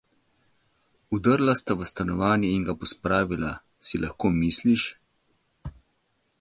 Vdrla sta v stanovanje in ga pospravila. Si lahko misliš?